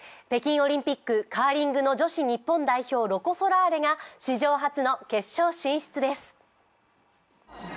北京オリンピック、カーリングの女子日本代表ロコ・ソラーレが史上初の決勝進出です。